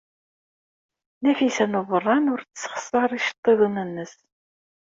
Nafisa n Ubeṛṛan ur tessexṣer iceḍḍiḍen-nnes.